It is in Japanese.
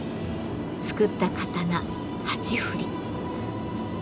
作った刀８振り。